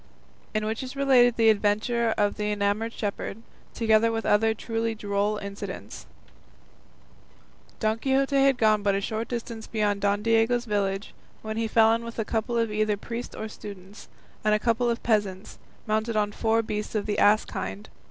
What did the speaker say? IN WHICH IS RELATED THE ADVENTURE OF THE ENAMOURED SHEPHERD, TOGETHER WITH OTHER TRULY DROLL INCIDENTS Don Quixote had gone but a short distance beyond Don Diego's village, when he fell in with a couple of either priests or students, and a couple of peasants, mounted on four beasts of the ass kind.